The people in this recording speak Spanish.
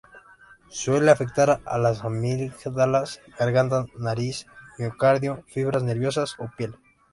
Suele afectar a las amígdalas, garganta, nariz, miocardio, fibras nerviosas o piel.